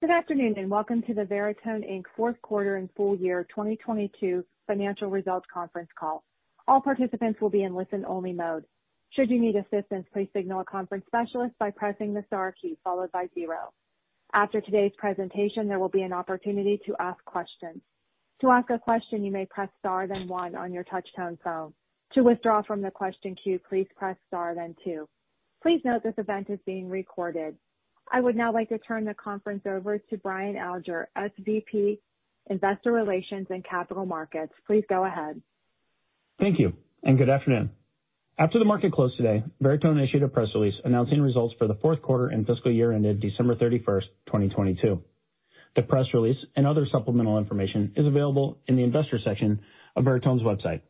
Good afternoon, welcome to the Veritone, Inc. fourth quarter and full year 2022 financial results conference call. All participants will be in listen-only mode. Should you need assistance, please signal a conference specialist by pressing the star key followed by zero. After today's presentation, there will be an opportunity to ask questions. To ask a question, you may press star then one on your touchtone phone. To withdraw from the question queue, please press star then two. Please note this event is being recorded. I would now like to turn the conference over to Brian Alger, SVP, Investor Relations and Capital Markets. Please go ahead. Thank you. Good afternoon. After the market closed today, Veritone initiated a press release announcing results for the fourth quarter and fiscal year ended December 31st, 2022. The press release and other supplemental information is available in the investor section of Veritone's website.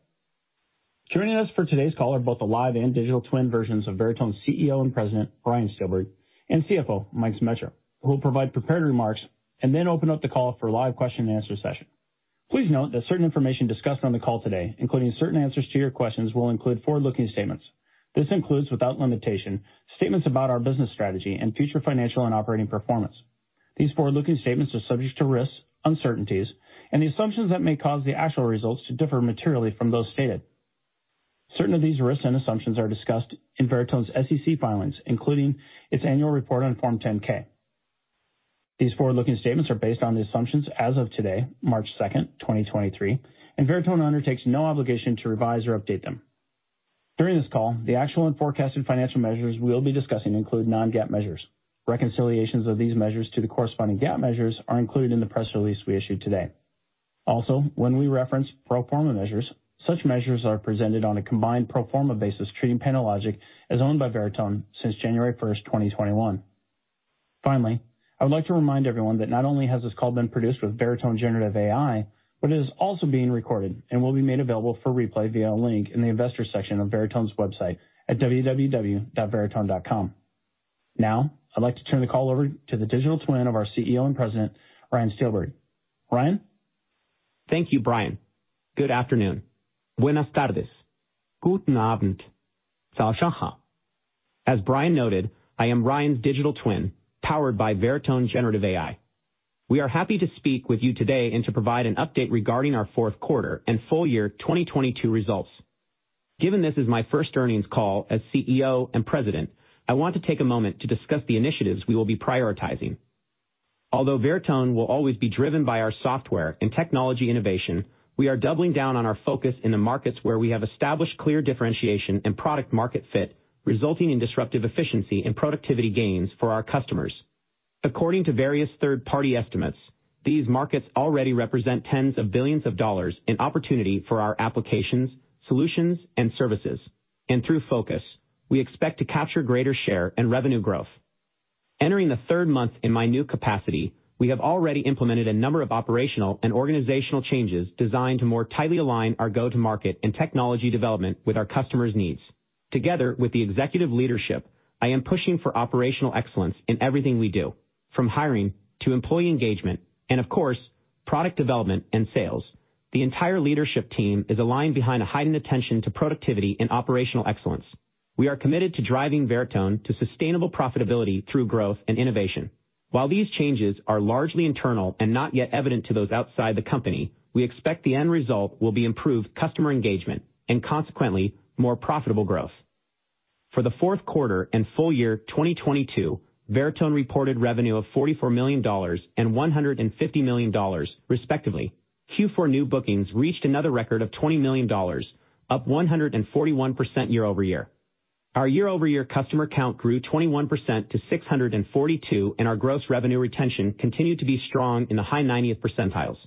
Joining us for today's call are both the live and digital twin versions of Veritone's CEO and President, Ryan Steelberg, CFO, Mike Zemetra, who will provide prepared remarks then open up the call for a live question and answer session. Please note that certain information discussed on the call today, including certain answers to your questions, will include forward-looking statements. This includes, without limitation, statements about our business strategy and future financial and operating performance. These forward-looking statements are subject to risks, uncertainties, and the assumptions that may cause the actual results to differ materially from those stated. Certain of these risks and assumptions are discussed in Veritone's SEC filings, including its annual report on Form 10-K. These forward-looking statements are based on the assumptions as of today, March 2nd, 2023. Veritone undertakes no obligation to revise or update them. During this call, the actual and forecasted financial measures we'll be discussing include non-GAAP measures. Reconciliations of these measures to the corresponding GAAP measures are included in the press release we issued today. When we reference pro forma measures, such measures are presented on a combined pro forma basis, treating PandoLogic as owned by Veritone since January 1st, 2021. I would like to remind everyone that not only has this call been produced with Veritone Generative AI, but it is also being recorded and will be made available for replay via a link in the investor section of Veritone's website at www.veritone.com. Now, I'd like to turn the call over to the digital twin of our CEO and President, Ryan Steelberg. Ryan. Thank you, Brian. Good afternoon. Buenas tardes. Guten abend. As Brian noted, I am Brian's digital twin, powered by Veritone Generative AI. We are happy to speak with you today and to provide an update regarding our fourth quarter and full year 2022 results. Given this is my first earnings call as CEO and President, I want to take a moment to discuss the initiatives we will be prioritizing. Although Veritone will always be driven by our software and technology innovation, we are doubling down on our focus in the markets where we have established clear differentiation and product market fit, resulting in disruptive efficiency and productivity gains for our customers. According to various third-party estimates, these markets already represent tens of billions of dollars in opportunity for our applications, solutions, and services. Through focus, we expect to capture greater share and revenue growth. Entering the third month in my new capacity, we have already implemented a number of operational and organizational changes designed to more tightly align our go-to-market and technology development with our customers' needs. Together with the executive leadership, I am pushing for operational excellence in everything we do, from hiring to employee engagement, and of course, product development and sales. The entire leadership team is aligned behind a heightened attention to productivity and operational excellence. We are committed to driving Veritone to sustainable profitability through growth and innovation. While these changes are largely internal and not yet evident to those outside the company, we expect the end result will be improved customer engagement and consequently, more profitable growth. For the fourth quarter and full year 2022, Veritone reported revenue of $44 million and $150 million, respectively. Q4 new bookings reached another record of $20 million, up 141% year-over-year. Our year-over-year customer count grew 21% to 642, and our gross revenue retention continued to be strong in the high 90th percentiles.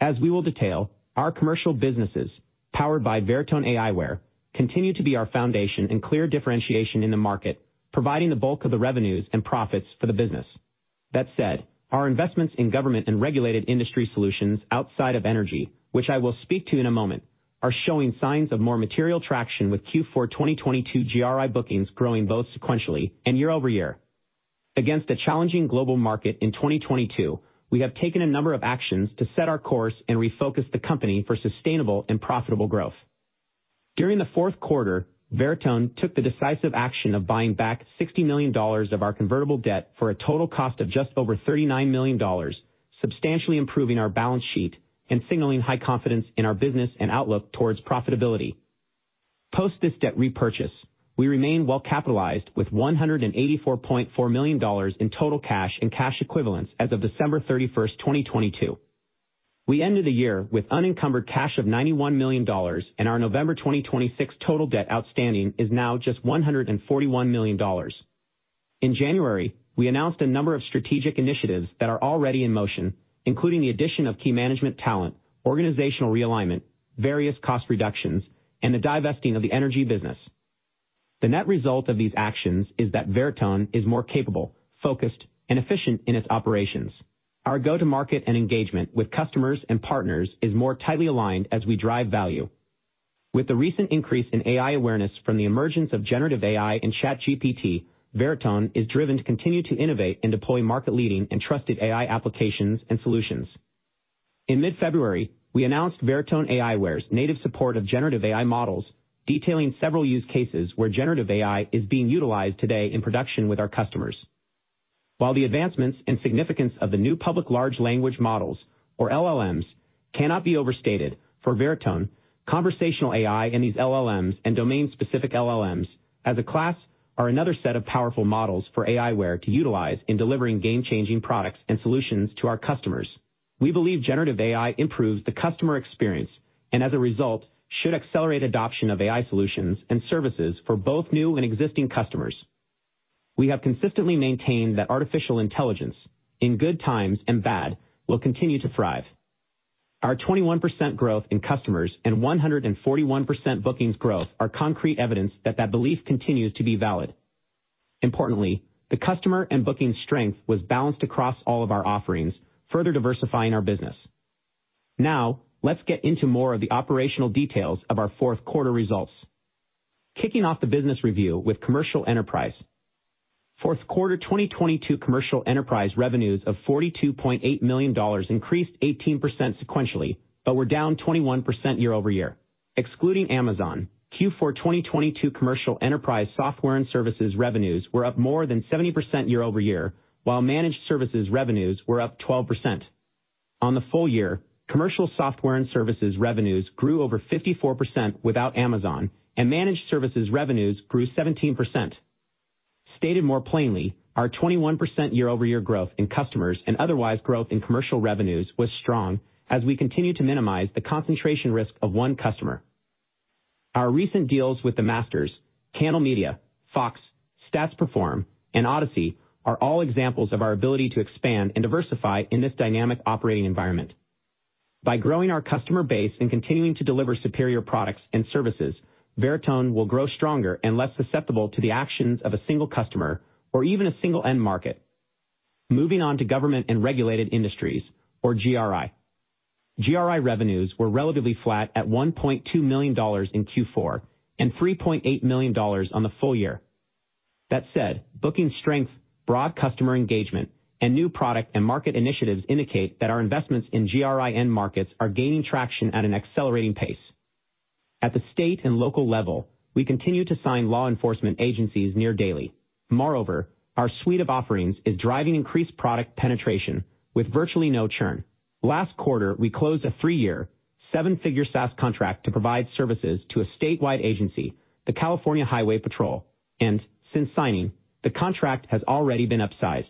As we will detail, our commercial businesses, powered by Veritone aiWARE, continue to be our foundation and clear differentiation in the market, providing the bulk of the revenues and profits for the business. Our investments in government and regulated industry solutions outside of energy, which I will speak to in a moment, are showing signs of more material traction with Q4 2022 GRI bookings growing both sequentially and year-over-year. Against a challenging global market in 2022, we have taken a number of actions to set our course and refocus the company for sustainable and profitable growth. During the fourth quarter, Veritone took the decisive action of buying back $60 million of our convertible debt for a total cost of just over $39 million, substantially improving our balance sheet and signaling high confidence in our business and outlook towards profitability. Post this debt repurchase, we remain well-capitalized with $184.4 million in total cash and cash equivalents as of December 31st, 2022. We ended the year with unencumbered cash of $91 million. Our November 2026 total debt outstanding is now just $141 million. In January, we announced a number of strategic initiatives that are already in motion, including the addition of key management talent, organizational realignment, various cost reductions, and the divesting of the energy business. The net result of these actions is that Veritone is more capable, focused, and efficient in its operations. Our go-to-market and engagement with customers and partners is more tightly aligned as we drive value. With the recent increase in AI awareness from the emergence of Veritone Generative AI and ChatGPT, Veritone is driven to continue to innovate and deploy market-leading and trusted AI applications and solutions. In mid-February, we announced Veritone aiWARE's native support of generative AI models, detailing several use cases where generative AI is being utilized today in production with our customers. While the advancements and significance of the new public Large Language Models or LLMs cannot be overstated for Veritone, conversational AI and these LLMs and domain-specific LLMs as a class are another set of powerful models for aiWARE to utilize in delivering game-changing products and solutions to our customers. We believe generative AI improves the customer experience and as a result should accelerate adoption of AI solutions and services for both new and existing customers. We have consistently maintained that artificial intelligence in good times and bad will continue to thrive. Our 21% growth in customers and 141% bookings growth are concrete evidence that that belief continues to be valid. Importantly, the customer and bookings strength was balanced across all of our offerings, further diversifying our business. Now, let's get into more of the operational details of our fourth quarter results. Kicking off the business review with commercial enterprise. Fourth quarter 2022 commercial enterprise revenues of $42.8 million increased 18% sequentially, but were down 21% year-over-year. Excluding Amazon, Q4 2022 commercial enterprise software and services revenues were up more than 70% year-over-year, while managed services revenues were up 12%. On the full year, commercial software and services revenues grew over 54% without Amazon, and managed services revenues grew 17%. Stated more plainly, our 21% year-over-year growth in customers and otherwise growth in commercial revenues was strong as we continue to minimize the concentration risk of one customer. Our recent deals with The Masters, Candle Media, Fox, Stats Perform, and Audacy are all examples of our ability to expand and diversify in this dynamic operating environment. By growing our customer base and continuing to deliver superior products and services, Veritone will grow stronger and less susceptible to the actions of a single customer or even a single end market. Moving on to government and regulated industries or GRI. GRI revenues were relatively flat at $1.2 million in Q4 and $3.8 million on the full year. Booking strength, broad customer engagement, and new product and market initiatives indicate that our investments in GRI end markets are gaining traction at an accelerating pace. At the state and local level, we continue to sign law enforcement agencies near daily. Our suite of offerings is driving increased product penetration with virtually no churn. Last quarter, we closed a three-year seven-figure SaaS contract to provide services to a statewide agency, the California Highway Patrol. Since signing, the contract has already been upsized.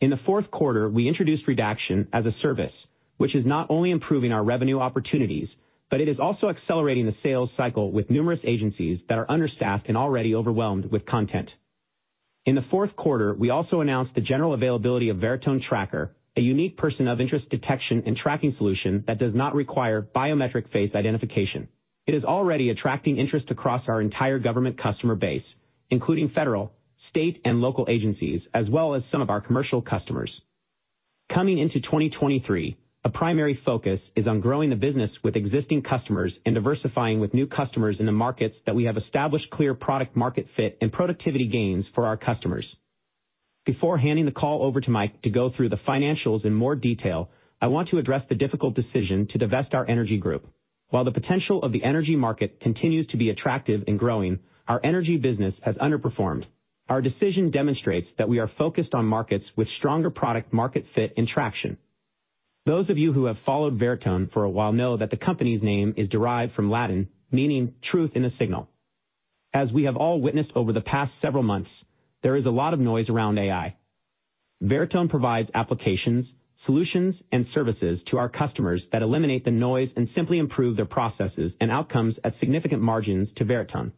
In the fourth quarter, we introduced redaction as a service, which is not only improving our revenue opportunities, but it is also accelerating the sales cycle with numerous agencies that are understaffed and already overwhelmed with content. In the fourth quarter, we also announced the general availability of Veritone Tracker, a unique person of interest detection and tracking solution that does not require biometric face identification. It is already attracting interest across our entire government customer base, including federal, state, and local agencies, as well as some of our commercial customers. Coming into 2023, a primary focus is on growing the business with existing customers and diversifying with new customers in the markets that we have established clear product market fit and productivity gains for our customers. Before handing the call over to Mike to go through the financials in more detail, I want to address the difficult decision to divest our energy group. While the potential of the energy market continues to be attractive and growing, our energy business has underperformed. Our decision demonstrates that we are focused on markets with stronger product market fit and traction. Those of you who have followed Veritone for a while know that the company's name is derived from Latin, meaning truth in a signal. As we have all witnessed over the past several months, there is a lot of noise around AI. Veritone provides applications, solutions, and services to our customers that eliminate the noise and simply improve their processes and outcomes at significant margins to Veritone.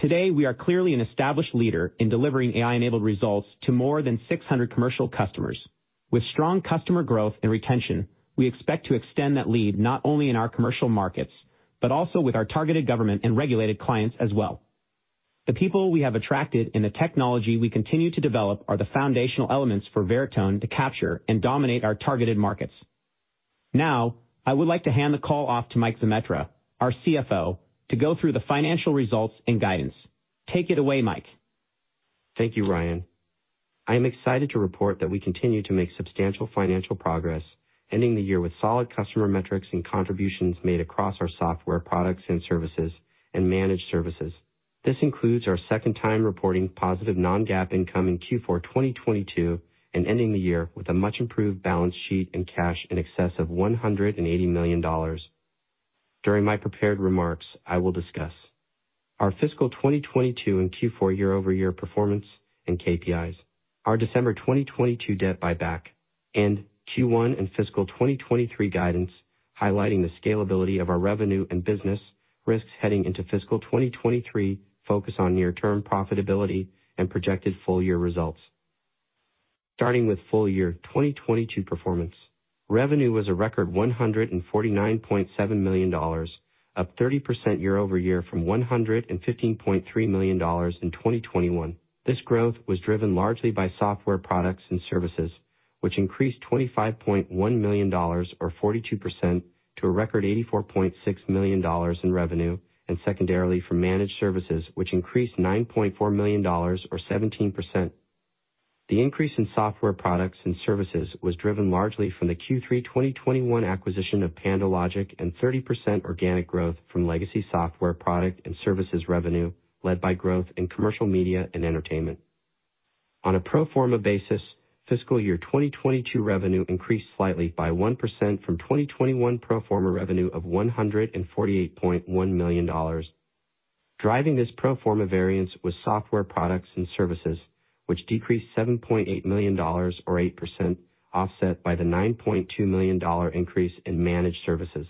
Today, we are clearly an established leader in delivering AI-enabled results to more than 600 commercial customers. With strong customer growth and retention, we expect to extend that lead not only in our commercial markets, but also with our targeted government and regulated clients as well. The people we have attracted and the technology we continue to develop are the foundational elements for Veritone to capture and dominate our targeted markets. I would like to hand the call off to Mike Zemetra, our CFO, to go through the financial results and guidance. Take it away, Mike. Thank you, Ryan. I am excited to report that we continue to make substantial financial progress, ending the year with solid customer metrics and contributions made across our software products and services and managed services. This includes our second time reporting positive non-GAAP income in Q4 2022, and ending the year with a much improved balance sheet and cash in excess of $180 million. During my prepared remarks, I will discuss our fiscal 2022 and Q4 year-over-year performance and KPIs, our December 2022 debt buyback, and Q1 and fiscal 2023 guidance, highlighting the scalability of our revenue and business risks heading into fiscal 2023, focus on near term profitability and projected full year results. Starting with full year 2022 performance. Revenue was a record $149.7 million, up 30% year-over-year from $115.3 million in 2021. This growth was driven largely by software products and services, which increased $25.1 million or 42% to a record $84.6 million in revenue, and secondarily from managed services, which increased $9.4 million or 17%. The increase in software products and services was driven largely from the Q3 2021 acquisition of PandoLogic and 30% organic growth from legacy software product and services revenue, led by growth in commercial media and entertainment. On a pro forma basis, fiscal year 2022 revenue increased slightly by 1% from 2021 pro forma revenue of $148.1 million. Driving this pro forma variance was software products and services, which decreased $7.8 million or 8%, offset by the $9.2 million increase in managed services.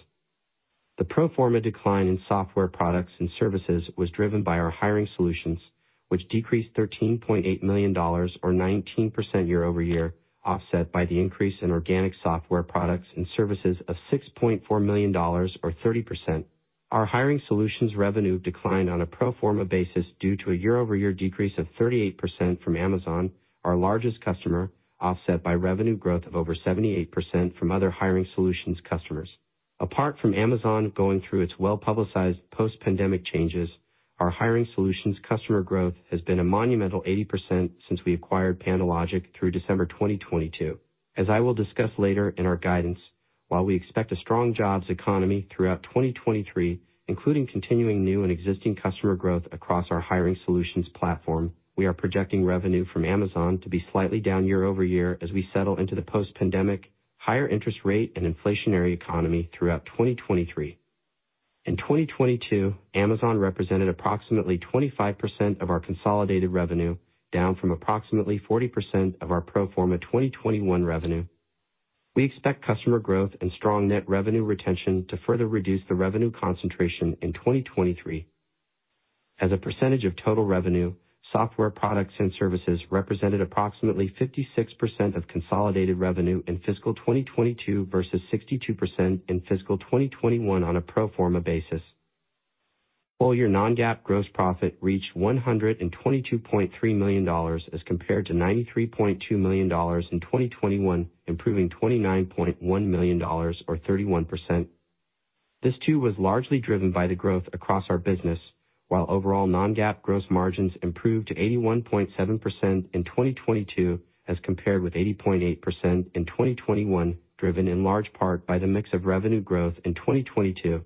The pro forma decline in software products and services was driven by our hiring solutions, which decreased $13.8 million or 19% year-over-year, offset by the increase in organic software products and services of $6.4 million or 30%. Our hiring solutions revenue declined on a pro forma basis due to a year-over-year decrease of 38% from Amazon, our largest customer, offset by revenue growth of over 78% from other hiring solutions customers. Apart from Amazon going through its well-publicized post-pandemic changes, our hiring solutions customer growth has been a monumental 80% since we acquired PandoLogic through December 2022. As I will discuss later in our guidance, while we expect a strong jobs economy throughout 2023, including continuing new and existing customer growth across our hiring solutions platform, we are projecting revenue from Amazon to be slightly down year-over-year as we settle into the post-pandemic higher interest rate and inflationary economy throughout 2023. In 2022, Amazon represented approximately 25% of our consolidated revenue, down from approximately 40% of our pro forma 2021 revenue. We expect customer growth and strong net revenue retention to further reduce the revenue concentration in 2023. As a percentage of total revenue, software products and services represented approximately 56% of consolidated revenue in fiscal 2022 versus 62% in fiscal 2021 on a pro forma basis. Full year non-GAAP gross profit reached $122.3 million as compared to $93.2 million in 2021, improving $29.1 million or 31%. This too was largely driven by the growth across our business, while overall non-GAAP gross margins improved to 81.7% in 2022 as compared with 80.8% in 2021, driven in large part by the mix of revenue growth in 2022.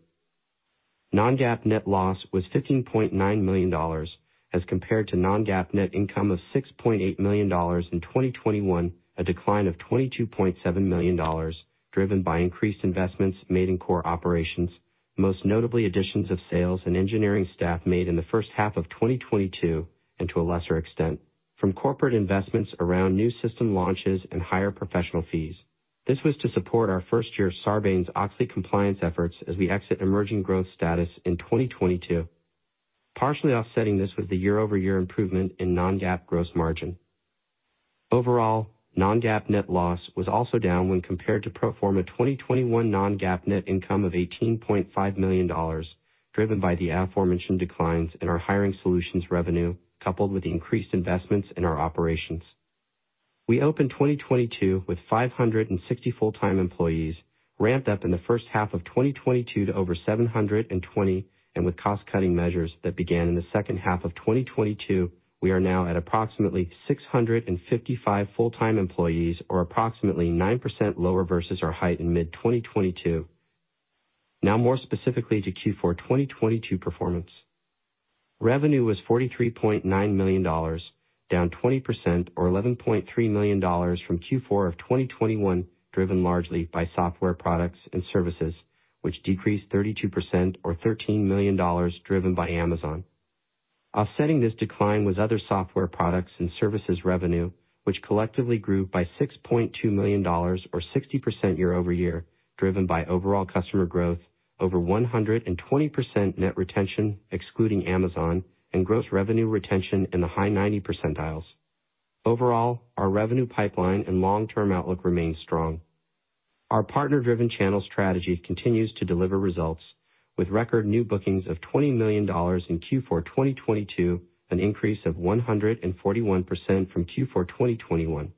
Non-GAAP net loss was $15.9 million as compared to non-GAAP net income of $6.8 million in 2021, a decline of $22.7 million driven by increased investments made in core operations, most notably additions of sales and engineering staff made in the first half of 2022 and to a lesser extent from corporate investments around new system launches and higher professional fees. This was to support our first year Sarbanes-Oxley compliance efforts as we exit emerging growth status in 2022. Partially offsetting this was the year-over-year improvement in non-GAAP gross margin. Overall, non-GAAP net loss was also down when compared to pro forma 2021 non-GAAP net income of $18.5 million, driven by the aforementioned declines in our hiring solutions revenue coupled with increased investments in our operations. We opened 2022 with 560 full-time employees ramped up in the first half of 2022 to over 720, and with cost cutting measures that began in the second half of 2022. We are now at approximately 655 full-time employees, or approximately 9% lower versus our height in mid-2022. More specifically to Q4 2022 performance. Revenue was $43.9 million, down 20% or $11.3 million from Q4 of 2021, driven largely by software products and services, which decreased 32% or $13 million driven by Amazon. Offsetting this decline was other software products and services revenue, which collectively grew by $6.2 million or 60% year-over-year, driven by overall customer growth over 120% net retention excluding Amazon and gross revenue retention in the high 90 percentiles. Overall, our revenue pipeline and long-term outlook remain strong. Our partner-driven channel strategy continues to deliver results with record new bookings of $20 million in Q4 2022, an increase of 141% from Q4 2021.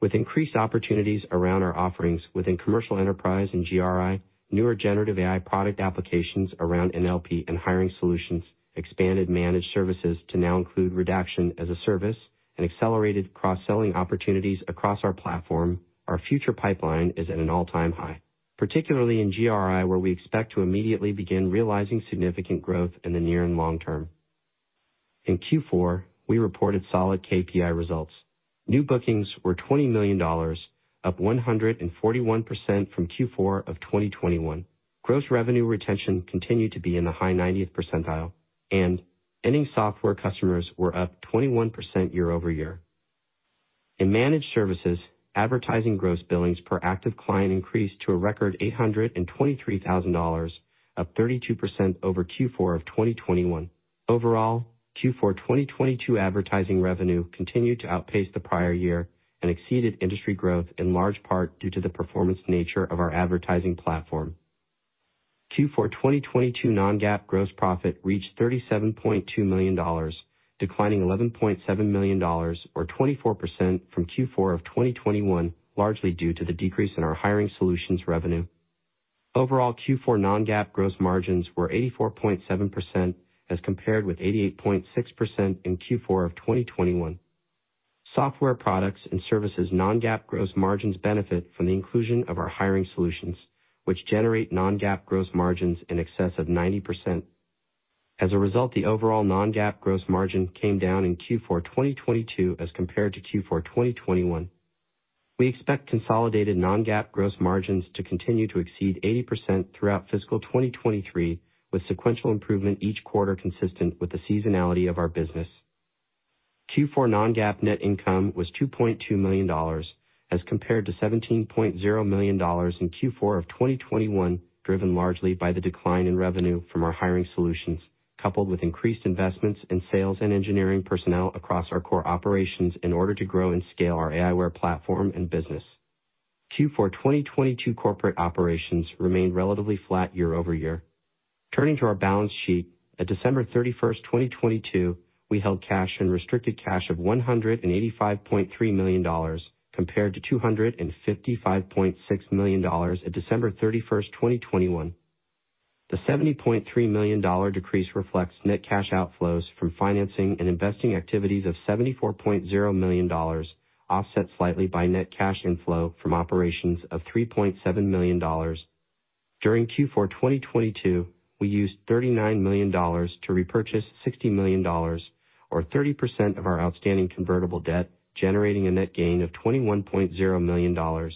With increased opportunities around our offerings within commercial enterprise and GRI, newer generative AI product applications around NLP and hiring solutions, expanded managed services to now include redaction as a service and accelerated cross-selling opportunities across our platform. Our future pipeline is at an all time high, particularly in GRI, where we expect to immediately begin realizing significant growth in the near and long term. In Q4, we reported solid KPI results. New bookings were $20 million, up 141% from Q4 of 2021. Gross revenue retention continued to be in the high 90th percentile, and ending software customers were up 21% year-over-year. In managed services, advertising gross billings per active client increased to a record $823,000, up 32% over Q4 of 2021. Overall, Q4 2022 advertising revenue continued to outpace the prior year and exceeded industry growth, in large part due to the performance nature of our advertising platform. Q4 2022 non-GAAP gross profit reached $37.2 million, declining $11.7 million or 24% from Q4 2021, largely due to the decrease in our hiring solutions revenue. Overall Q4 non-GAAP gross margins were 84.7% as compared with 88.6% in Q4 2021. Software products and services non-GAAP gross margins benefit from the inclusion of our hiring solutions, which generate non-GAAP gross margins in excess of 90%. As a result, the overall non-GAAP gross margin came down in Q4 2022 as compared to Q4 2021. We expect consolidated non-GAAP gross margins to continue to exceed 80% throughout fiscal 2023, with sequential improvement each quarter consistent with the seasonality of our business. Q4 non-GAAP net income was $2.2 million as compared to $17.0 million in Q4 of 2021, driven largely by the decline in revenue from our hiring solutions, coupled with increased investments in sales and engineering personnel across our core operations in order to grow and scale our aiWARE platform and business. Q4 2022 corporate operations remained relatively flat year-over-year. Turning to our balance sheet, at December 31st, 2022, we held cash and restricted cash of $185.3 million compared to $255.6 million at December 31st, 2021. The $70.3 million decrease reflects net cash outflows from financing and investing activities of $74.0 million, offset slightly by net cash inflow from operations of $3.7 million. During Q4 2022, we used $39 million to repurchase $60 million, or 30% of our outstanding convertible debt, generating a net gain of $21.0 million.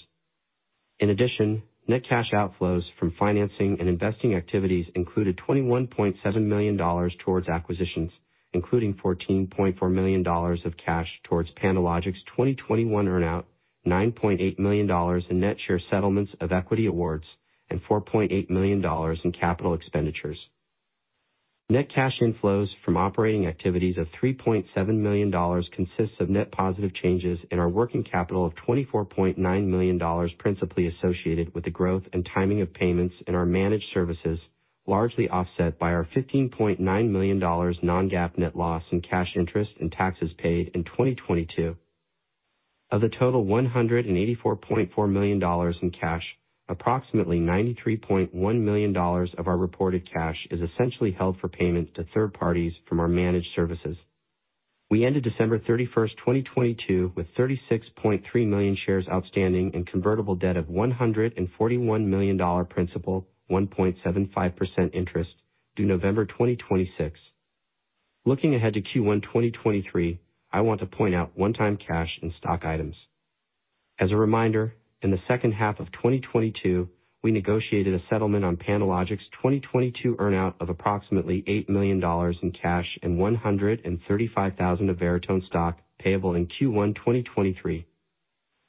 In addition, net cash outflows from financing and investing activities included $21.7 million towards acquisitions, including $14.4 million of cash towards PandoLogic's 2021 earn-out, $9.8 million in net share settlements of equity awards, and $4.8 million in capital expenditures. Net cash inflows from operating activities of $3.7 million consists of net positive changes in our working capital of $24.9 million, principally associated with the growth and timing of payments in our managed services, largely offset by our $15.9 million non-GAAP net loss in cash interest and taxes paid in 2022. Of the total $184.4 million in cash, approximately $93.1 million of our reported cash is essentially held for payment to third parties from our managed services. We ended December 31st, 2022 with 36.3 million shares outstanding and convertible debt of $141 million principal, 1.75% interest due November 2026. Looking ahead to Q1 2023, I want to point out one time cash and stock items. As a reminder, in the second half of 2022, we negotiated a settlement on PandoLogic's 2022 earn-out of approximately $8 million in cash and 135,000 of Veritone stock payable in Q1 2023.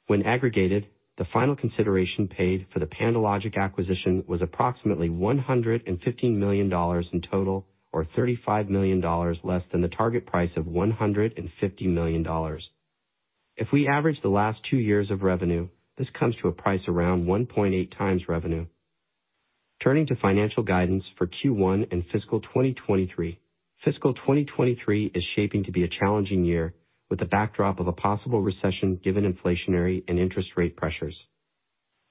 When aggregated, the final consideration paid for the PandoLogic acquisition was approximately $115 million in total, or $35 million less than the target price of $150 million. If we average the last two years of revenue, this comes to a price around 1.8x revenue. Turning to financial guidance for Q1 and fiscal 2023. Fiscal 2023 is shaping to be a challenging year with the backdrop of a possible recession given inflationary and interest rate pressures.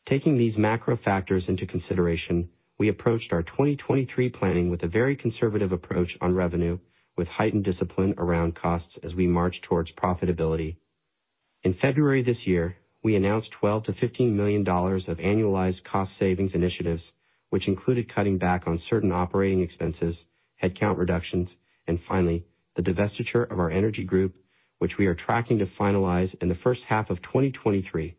Taking these macro factors into consideration, we approached our 2023 planning with a very conservative approach on revenue with heightened discipline around costs as we march towards profitability. In February this year, we announced $12 million-$15 million of annualized cost savings initiatives, which included cutting back on certain operating expenses, headcount reductions, and finally the divestiture of our energy group, which we are tracking to finalize in the first half of 2023.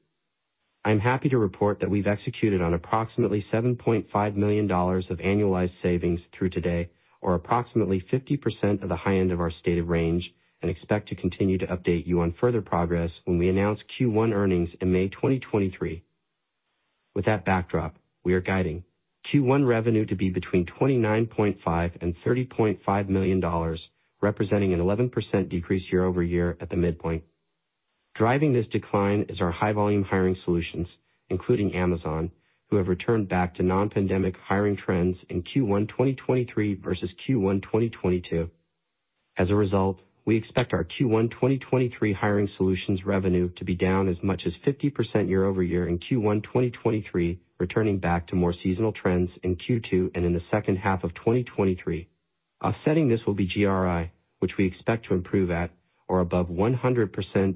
I'm happy to report that we've executed on approximately $7.5 million of annualized savings through today, or approximately 50% of the high end of our stated range, and expect to continue to update you on further progress when we announce Q1 earnings in May 2023. With that backdrop, we are guiding Q1 revenue to be between $29.5 million and $30.5 million, representing an 11% decrease year-over-year at the midpoint. Driving this decline is our high volume hiring solutions, including Amazon, who have returned back to non-pandemic hiring trends in Q1 2023 versus Q1 2022. As a result, we expect our Q1 2023 hiring solutions revenue to be down as much as 50% year-over-year in Q1 2023, returning back to more seasonal trends in Q2 and in the second half of 2023. Offsetting this will be GRI, which we expect to improve at or above 100%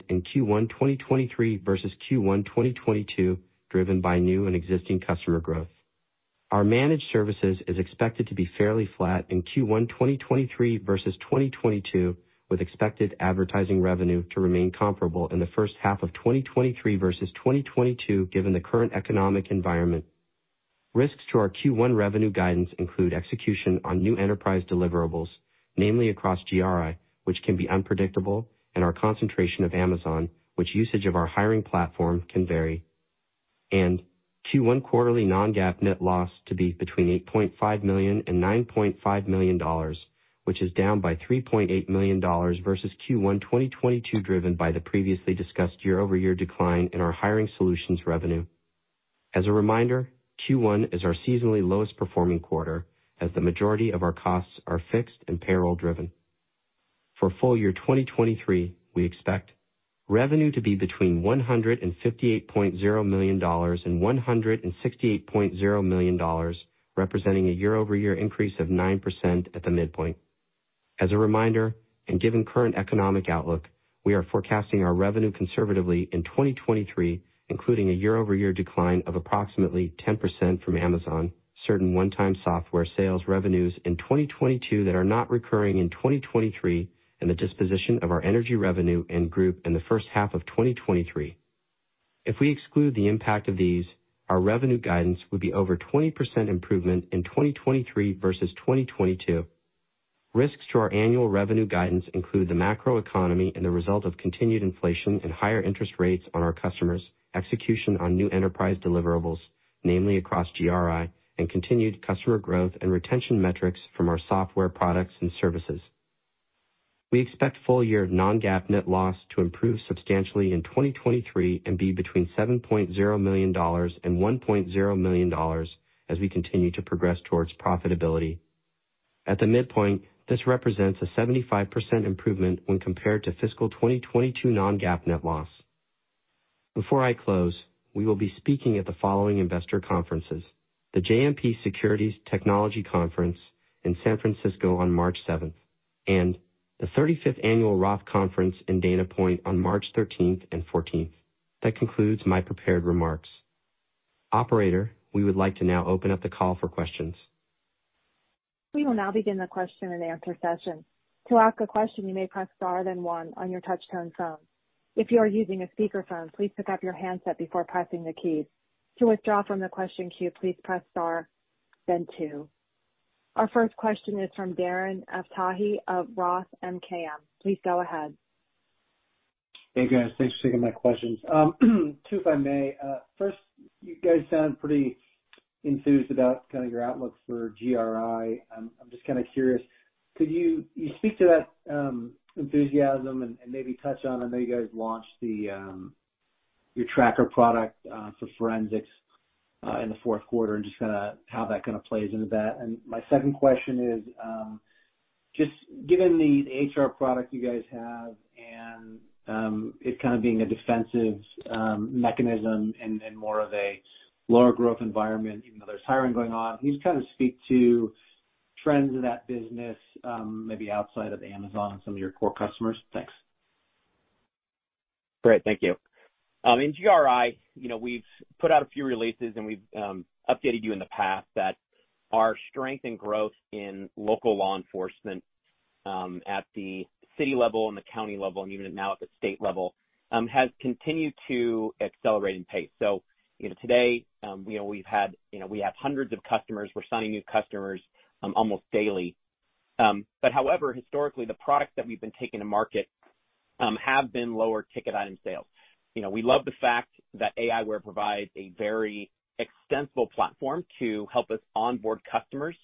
in Q1 2023 versus Q1 2022, driven by new and existing customer growth. Our managed services is expected to be fairly flat in Q1 2023 versus 2022, with expected advertising revenue to remain comparable in the first half of 2023 versus 2022, given the current economic environment. Risks to our Q1 revenue guidance include execution on new enterprise deliverables, namely across GRI, which can be unpredictable, and our concentration of Amazon, which usage of our hiring platform can vary. Q1 quarterly non-GAAP net loss to be between $8.5 million and $9.5 million, which is down by $3.8 million versus Q1 2022 driven by the previously discussed year-over-year decline in our hiring solutions revenue. As a reminder, Q1 is our seasonally lowest performing quarter as the majority of our costs are fixed and payroll driven. For full year 2023, we expect revenue to be between $158.0 million and $168.0 million, representing a year-over-year increase of 9% at the midpoint. As a reminder, and given current economic outlook, we are forecasting our revenue conservatively in 2023, including a year-over-year decline of approximately 10% from Amazon, certain one-time software sales revenues in 2022 that are not recurring in 2023, and the disposition of our energy revenue and group in the first half of 2023. If we exclude the impact of these, our revenue guidance would be over 20% improvement in 2023 versus 2022. Risks to our annual revenue guidance include the macroeconomy and the result of continued inflation and higher interest rates on our customers, execution on new enterprise deliverables, namely across GRI and continued customer growth and retention metrics from our software products and services. We expect full year non-GAAP net loss to improve substantially in 2023 and be between $7.0 million and $1.0 million as we continue to progress towards profitability. At the midpoint, this represents a 75% improvement when compared to fiscal 2022 non-GAAP net loss. Before I close, we will be speaking at the following investor conferences: the JMP Securities Technology Conference in San Francisco on March 7th, and the 35th Annual Roth Conference in Dana Point on March 13th and 14th. That concludes my prepared remarks. Operator, we would like to now open up the call for questions. We will now begin the question-and-answer session. To ask a question, you may press star then one on your touch-tone phone. If you are using a speaker phone, please pick up your handset before pressing the keys. To withdraw from the question queue, please press star then two. Our first question is from Darren Aftahi of ROTH MKM. Please go ahead. Hey, guys. Thanks for taking my questions. Two, if I may. First, you guys sound pretty enthused about kind of your outlook for GRI. I'm just kind of curious, could you speak to that enthusiasm and maybe touch on, I know you guys launched the your Tracker product for forensics in the fourth quarter and just kind of how that kind of plays into that. My second question is, just given the HR product you guys have and it kind of being a defensive mechanism and more of a lower growth environment, even though there's hiring going on, can you just kind of speak to trends in that business maybe outside of Amazon and some of your core customers? Thanks. Great. Thank you. In GRI, you know, we've put out a few releases, and we've updated you in the past that our strength and growth in local law enforcement, at the city level and the county level, and even now at the state level, has continued to accelerate in pace. You know, today, you know, we have hundreds of customers. We're signing new customers almost daily. However, historically, the products that we've been taking to market, have been lower ticket item sales. You know, we love the fact that aiWARE provides a very extensible platform to help us onboard customers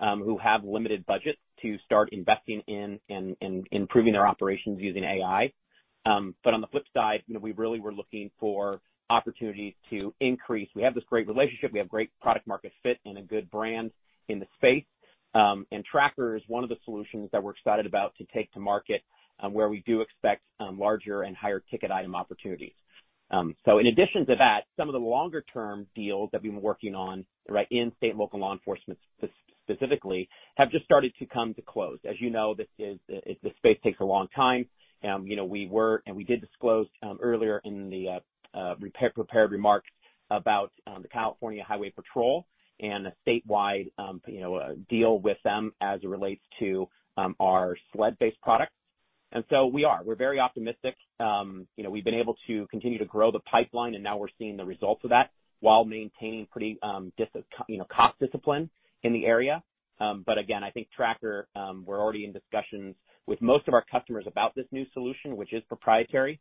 who have limited budgets to start investing in improving their operations using AI. On the flip side, you know, we really were looking for opportunities to increase. We have this great relationship, we have great product market fit and a good brand in the space. Tracker is one of the solutions that we're excited about to take to market, where we do expect larger and higher ticket item opportunities. In addition to that, some of the longer term deals that we've been working on, right, in state and local law enforcement specifically have just started to come to close. As you know, this space takes a long time. You know, we were, and we did disclose, earlier in the prepared remarks about the California Highway Patrol and a statewide, you know, deal with them as it relates to our SLED-based products. We are. We're very optimistic. you know, we've been able to continue to grow the pipeline, and now we're seeing the results of that while maintaining pretty, you know, cost discipline in the area. But again, I think Tracker, we're already in discussions with most of our customers about this new solution, which is proprietary,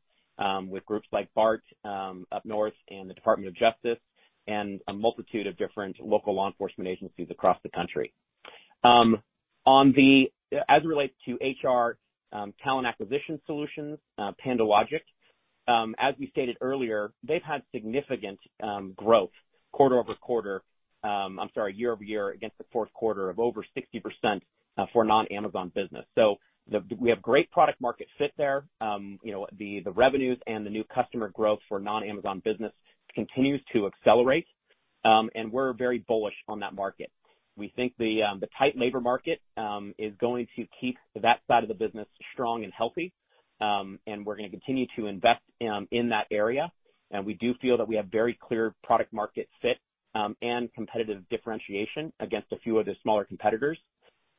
with groups like BART up north and the Department of Justice and a multitude of different local law enforcement agencies across the country. As it relates to HR, talent acquisition solutions, PandoLogic, as we stated earlier, they've had significant growth quarter-over-quarter... I'm sorry, year-over-year against the fourth quarter of over 60% for non-Amazon business. We have great product market fit there. You know, the revenues and the new customer growth for non-Amazon business continues to accelerate. We're very bullish on that market. We think the tight labor market is going to keep that side of the business strong and healthy. We're gonna continue to invest in that area. We do feel that we have very clear product market fit and competitive differentiation against a few of the smaller competitors.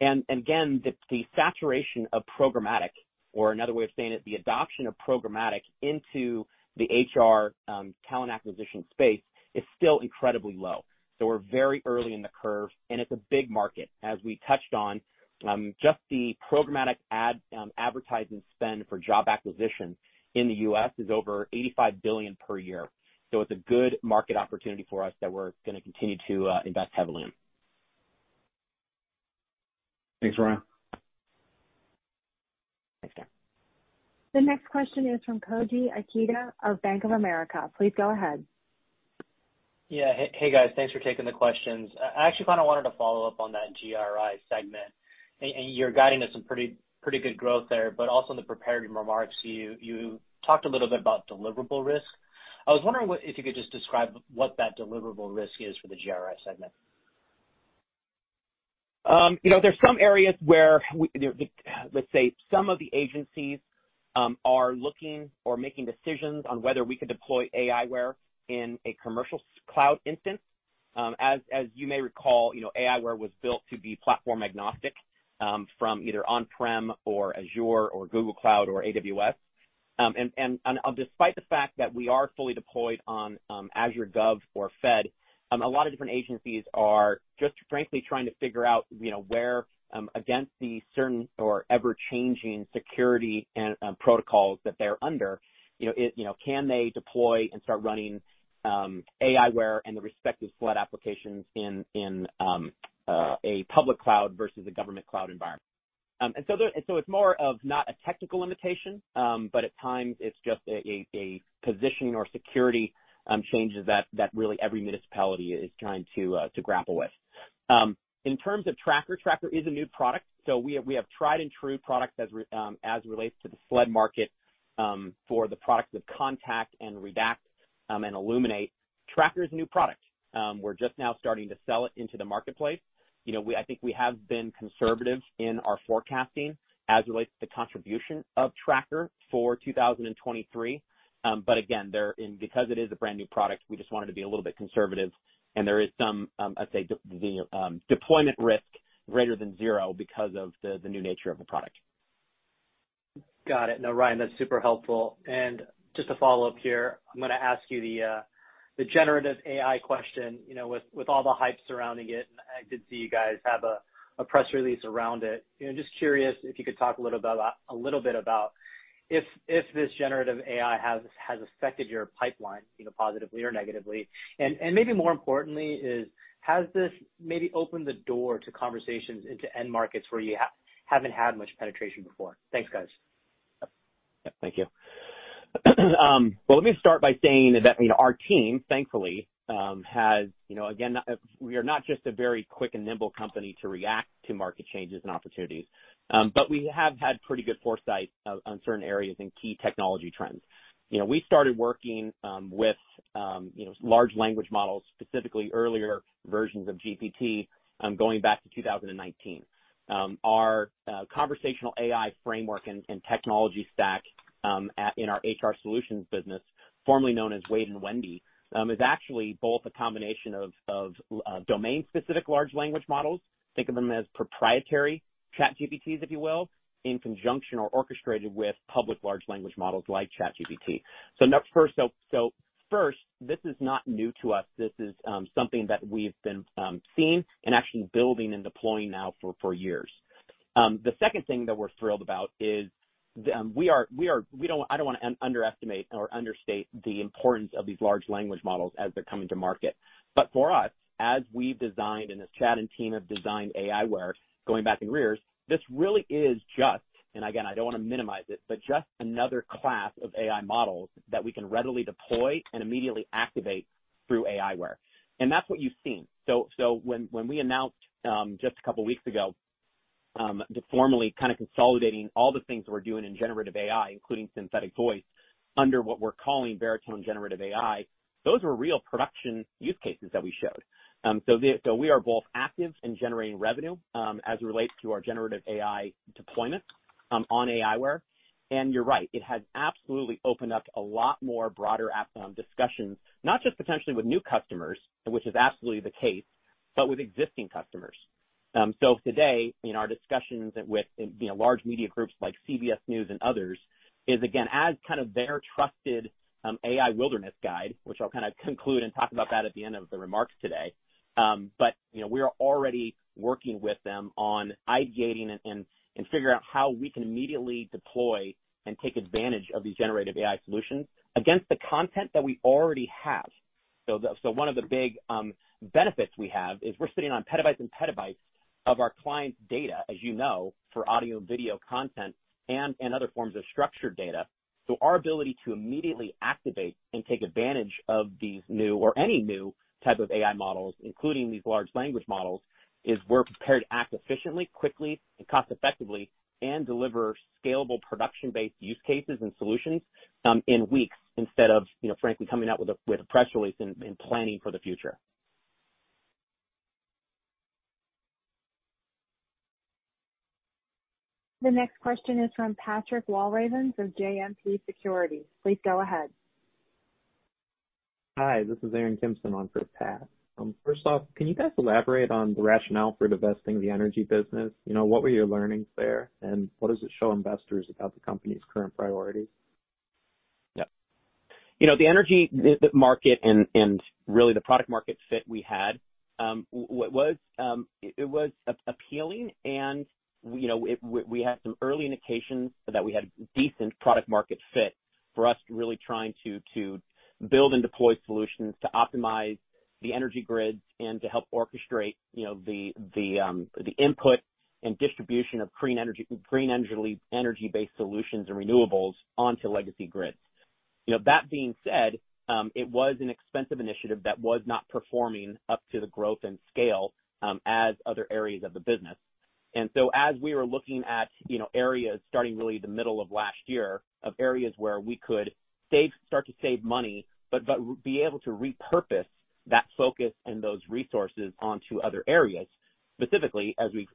Again, the saturation of programmatic, or another way of saying it, the adoption of programmatic into the HR talent acquisition space is still incredibly low. So we're very early in the curve, and it's a big market. As we touched on, just the programmatic ad advertising spend for job acquisition in the US is over $85 billion per year. It's a good market opportunity for us that we're gonna continue to invest heavily in. Thanks, Ryan. Thanks, Darren. The next question is from Koji Ikeda of Bank of America. Please go ahead. Yeah. Hey guys, thanks for taking the questions. I actually kind of wanted to follow up on that GRI segment, and you're guiding us some pretty good growth there, but also in the prepared remarks, you talked a little bit about deliverable risk. I was wondering what if you could just describe what that deliverable risk is for the GRI segment. you know, there's some areas where Let's say some of the agencies are looking or making decisions on whether we could deploy aiWARE in a commercial cloud instance. As you may recall, you know, aiWARE was built to be platform agnostic from either on-prem or Azure or Google Cloud or AWS. Despite the fact that we are fully deployed on Azure Government or Fed Civ, a lot of different agencies are just frankly trying to figure out, you know, where against the certain or ever-changing security and protocols that they're under, can they deploy and start running aiWARE and the respective SLED applications in a public cloud versus a government cloud environment. It's more of not a technical limitation, but at times it's just a positioning or security changes that really every municipality is trying to grapple with. In terms of Tracker is a new product. We have tried and true products as it relates to the SLED market for the products of Contact and Redact and Illuminate. Tracker is a new product. We're just now starting to sell it into the marketplace. You know, I think we have been conservative in our forecasting as it relates to the contribution of Tracker for 2023. Again, because it is a brand new product, we just wanted to be a little bit conservative, and there is some, I'd say deployment risk greater than zero because of the new nature of the product. Got it. No, Ryan, that's super helpful. Just to follow up here, I'm gonna ask you the generative AI question, you know, with all the hype surrounding it, and I did see you guys have a press release around it. You know, just curious if you could talk a little bit about if this generative AI has affected your pipeline, you know, positively or negatively. Maybe more importantly is, has this maybe opened the door to conversations into end markets where you haven't had much penetration before? Thanks, guys. Yeah. Thank you. Well, let me start by saying that, you know, our team thankfully, has, you know, again, we are not just a very quick and nimble company to react to market changes and opportunities, but we have had pretty good foresight on certain areas and key technology trends. You know, we started working with you know, large language models, specifically earlier versions of GPT, going back to 2019. Our conversational AI framework and technology stack in our HR solutions business, formerly known as Wade & Wendy, is actually both a combination of domain-specific large language models. Think of them as proprietary ChatGPTs, if you will, in conjunction or orchestrated with public large language models like ChatGPT. This is not new to us. This is something that we've been seeing and actually building and deploying now for years. The second thing that we're thrilled about is we are I don't wanna underestimate or understate the importance of these large language models as they're coming to market. For us, as we've designed and as Chad and team have designed aiWARE going back in years, this really is just, and again, I don't wanna minimize it, but just another class of AI models that we can readily deploy and immediately activate through aiWARE. That's what you've seen. When we announced just a couple weeks ago to formally kinda consolidating all the things we're doing in generative AI, including synthetic voice, under what we're calling Veritone Generative AI, those were real production use cases that we showed. We are both active in generating revenue as it relates to our Generative AI deployment on aiWARE. You're right, it has absolutely opened up a lot more broader discussions, not just potentially with new customers, which is absolutely the case, but with existing customers. Today in our discussions with, you know, large media groups like CBS News and others is again, as kind of their trusted AI wilderness guide, which I'll kind of conclude and talk about that at the end of the remarks today. You know, we are already working with them on ideating and figuring out how we can immediately deploy and take advantage of these Generative AI solutions against the content that we already have. One of the big benefits we have is we're sitting on petabytes and petabytes of our clients' data, as you know, for audio and video content and other forms of structured data. Our ability to immediately activate and take advantage of these new or any new type of AI models, including these large language models, is we're prepared to act efficiently, quickly, and cost effectively and deliver scalable production-based use cases and solutions in weeks instead of, you know, frankly, coming out with a press release and planning for the future. The next question is from Patrick Walravens of JMP Securities. Please go ahead. Hi, this is Aaron Kimson on for Pat. First off, can you guys elaborate on the rationale for divesting the energy business? You know, what were your learnings there, and what does it show investors about the company's current priorities? Yeah. You know, the energy market and really the product market fit we had, was appealing and, you know, we had some early indications that we had decent product market fit for us really trying to build and deploy solutions to optimize the energy grids and to help orchestrate, you know, the input and distribution of green energy-based solutions and renewables onto legacy grids. You know, that being said, it was an expensive initiative that was not performing up to the growth and scale as other areas of the business. As we were looking at, you know, areas starting really the middle of last year of areas where we could start to save money, but be able to repurpose that focus and those resources onto other areas, specifically as we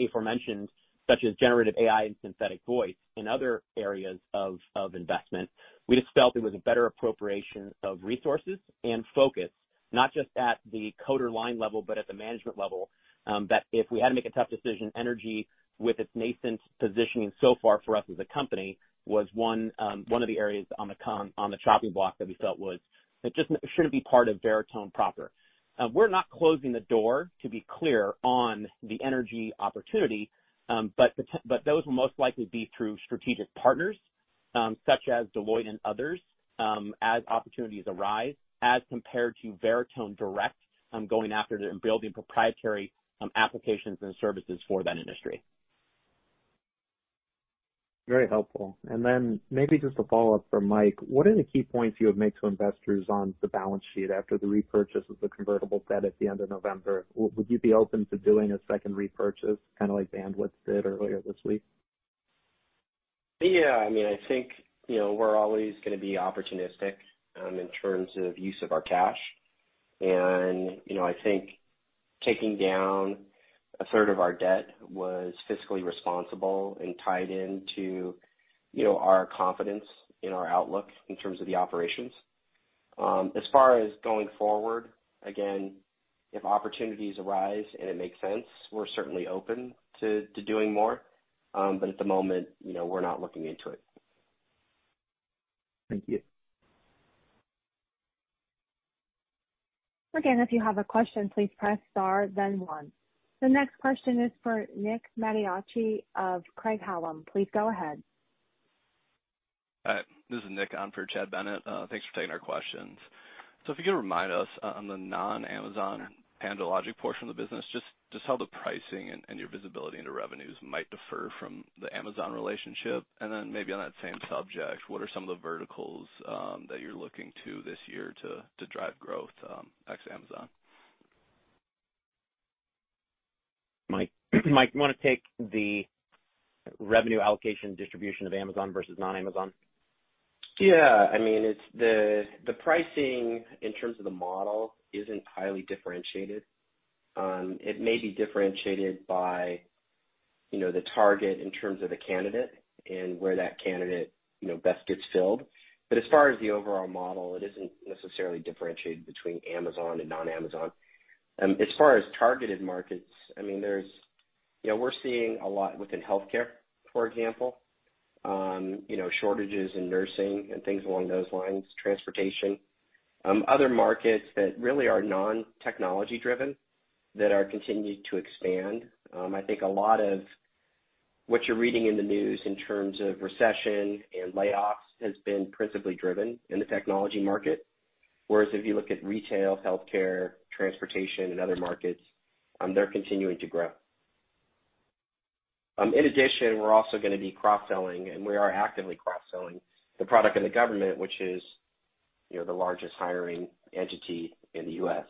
aforementioned, such as generative AI and synthetic voice and other areas of investment, we just felt it was a better appropriation of resources and focus, not just at the coder line level, but at the management level, that if we had to make a tough decision, energy with its nascent positioning so far for us as a company was one of the areas on the chopping block that we felt was. It just shouldn't be part of Veritone proper. We're not closing the door, to be clear, on the energy opportunity, but those will most likely be through strategic partners, such as Deloitte and others, as opportunities arise as compared to Veritone direct, going after and building proprietary, applications and services for that industry. Very helpful. And then maybe just a follow-up for Mike. Would you be open to doing a second repurchase, kind of like Bandwidth did earlier this week? Yeah. I mean, I think, you know, we're always going to be opportunistic, in terms of use of our cash. You know, I think taking down a third of our debt was fiscally responsible and tied into, you know, our confidence in our outlook in terms of the operations. As far as going forward, again, if opportunities arise and it makes sense, we're certainly open to doing more. At the moment, you know, we're not looking into it. Thank you. If you have a question, please press star then one. The next question is for Nick Mattiacci of Craig-Hallum. Please go ahead. Hi, this is Nick on for Chad Bennett. Thanks for taking our questions. If you could remind us on the non-Amazon PandoLogic portion of the business, just how the pricing and your visibility into revenues might differ from the Amazon relationship. Then maybe on that same subject, what are some of the verticals that you're looking to this year to drive growth ex Amazon? Mike, you wanna take the revenue allocation distribution of Amazon versus non-Amazon? Yeah. I mean, it's the pricing in terms of the model isn't highly differentiated. It may be differentiated by, you know, the target in terms of the candidate and where that candidate, you know, best gets filled. As far as the overall model, it isn't necessarily differentiated between Amazon and non-Amazon. As far as targeted markets, I mean, there's You know, we're seeing a lot within healthcare, for example, you know, shortages in nursing and things along those lines, transportation. Other markets that really are non-technology driven, that are continuing to expand. I think a lot of what you're reading in the news in terms of recession and layoffs has been principally driven in the technology market. Whereas if you look at retail, healthcare, transportation and other markets, they're continuing to grow. In addition, we're also gonna be cross-selling, and we are actively cross-selling the product of the government, which is, you know, the largest hiring entity in the U.S.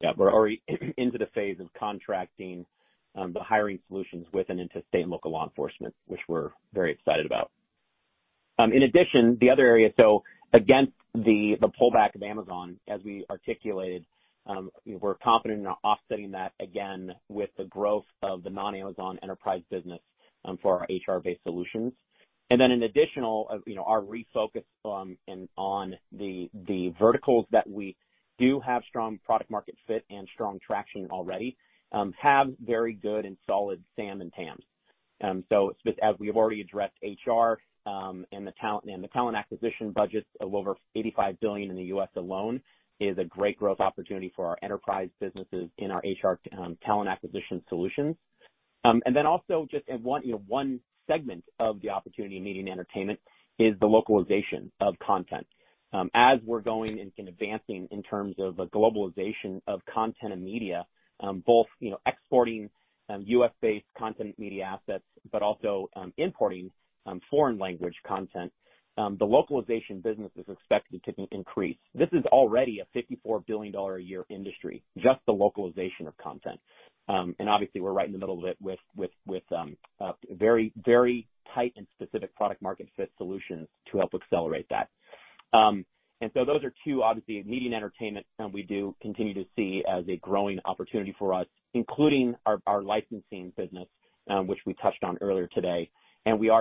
Yeah. We're already into the phase of contracting, the hiring solutions with and into state and local law enforcement, which we're very excited about. In addition, the other area. Against the pullback of Amazon, as we articulated, we're confident in offsetting that again with the growth of the non-Amazon enterprise business, for our HR-based solutions. An additional of, you know, our refocus, on the verticals that we do have strong product market fit and strong traction already, have very good and solid SAM and TAMs. As we have already addressed HR, and the talent acquisition budgets of over $85 billion in the U.S. alone is a great growth opportunity for our enterprise businesses in our HR, talent acquisition solutions. Then also just, and one, you know, one segment of the opportunity in media and entertainment is the localization of content. As we're going and advancing in terms of a globalization of content and media, both, you know, exporting U.S.-based content media assets, but also importing foreign language content, the localization business is expected to increase. This is already a $54 billion a year industry, just the localization of content. Obviously we're right in the middle of it with very, very tight and specific product market fit solutions to help accelerate that. So those are two obviously media and entertainment, and we do continue to see as a growing opportunity for us, including our licensing business, which we touched on earlier today. We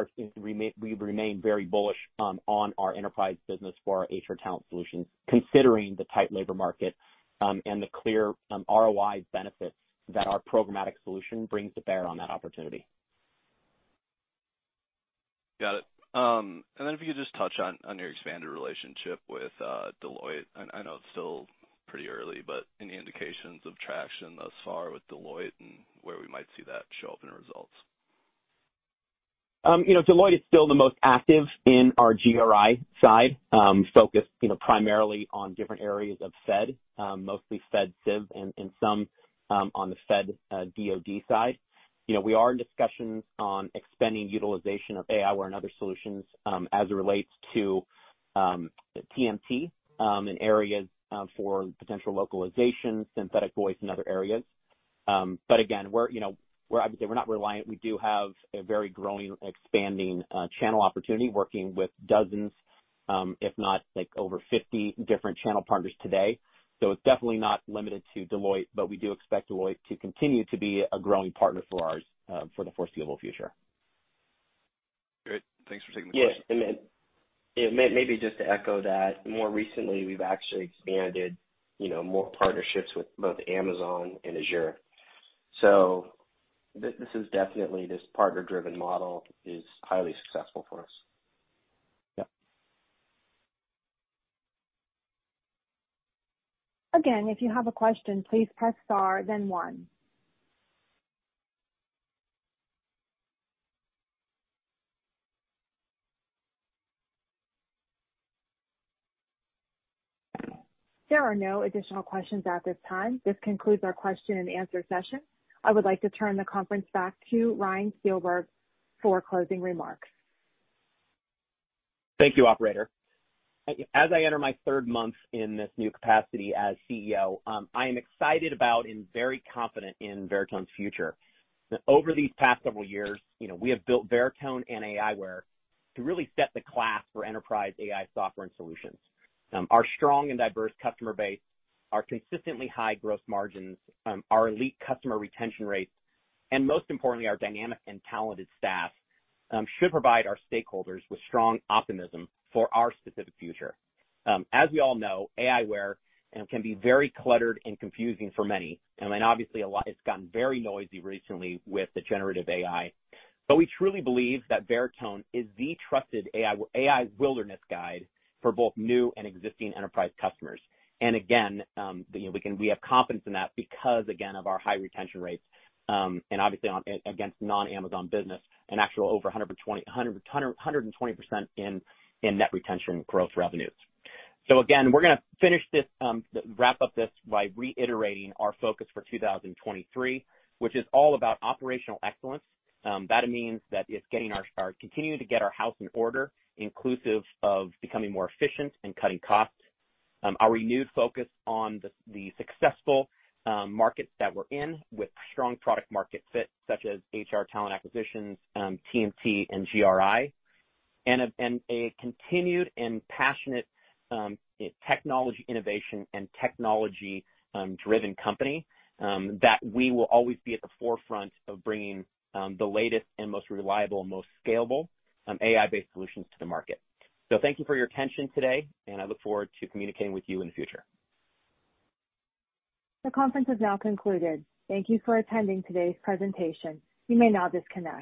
remain very bullish on our enterprise business for our HR talent solutions, considering the tight labor market, and the clear ROI benefits that our programmatic solution brings to bear on that opportunity. Got it. If you could just touch on your expanded relationship with Deloitte. I know it's still pretty early, but any indications of traction thus far with Deloitte and where we might see that show up in results? You know, Deloitte is still the most active in our GRI side, focused, you know, primarily on different areas of Fed, mostly Fed Civ and some, on the Fed, DoD side. You know, we are in discussions on expanding utilization of aiWARE and other solutions, as it relates to, TMT, in areas, for potential localization, synthetic voice and other areas. But again, we're, you know, Obviously, we're not reliant. We do have a very growing and expanding, channel opportunity working with dozens, if not, like, over 50 different channel partners today. It's definitely not limited to Deloitte, but we do expect Deloitte to continue to be a growing partner for ours, for the foreseeable future. Great. Thanks for taking the question. Yeah. yeah, maybe just to echo that, more recently we've actually expanded, you know, more partnerships with both Amazon and Azure. This is definitely this partner-driven model is highly successful for us. Yeah. Again, if you have a question, please press star then one. There are no additional questions at this time. This concludes our question and answer session. I would like to turn the conference back to Ryan Steelberg for closing remarks. Thank you, operator. As I enter my third month in this new capacity as CEO, I am excited about and very confident in Veritone's future. Over these past several years, you know, we have built Veritone and aiWARE to really set the class for enterprise AI software and solutions. Our strong and diverse customer base, our consistently high gross margins, our elite customer retention rates, and most importantly, our dynamic and talented staff, should provide our stakeholders with strong optimism for our specific future. As we all know, aiWARE can be very cluttered and confusing for many. I mean, obviously, a lot has gotten very noisy recently with the generative AI. We truly believe that Veritone is the trusted AI wilderness guide for both new and existing enterprise customers. Again, you know, we can... We have confidence in that because, again, of our high retention rates, and obviously on, against non-Amazon business, an actual over 120%, 110%, 120% in net retention growth revenues. Again, we're gonna finish this, wrap up this by reiterating our focus for 2023, which is all about operational excellence. That means that it's getting our house in order, inclusive of becoming more efficient and cutting costs. Our renewed focus on the successful markets that we're in with strong product market fit such as HR, talent acquisitions, TMT, and GRI, and a continued and passionate, technology innovation and technology, driven company, that we will always be at the forefront of bringing the latest and most reliable, most scalable, AI-based solutions to the market. Thank you for your attention today, and I look forward to communicating with you in the future. The conference has now concluded. Thank you for attending today's presentation. You may now disconnect.